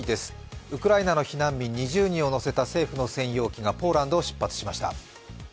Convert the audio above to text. ウクライナの避難民２０人を乗せた政府の専用機がポーランドを出発しました。